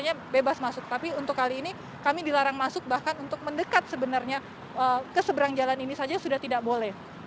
untuk pers biasanya bebas masuk tapi untuk kali ini kami dilarang masuk bahkan untuk mendekat sebenarnya keseberang jalan ini saja sudah tidak boleh